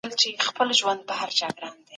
حمد څه ته وايي، څوک يې په اړه غږېدلای شي؟